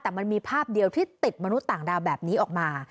แต่มันมีภาพเดียวที่ติดมนุษย์ต่างดาวแบบนี้ออกมา